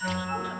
ya ya gak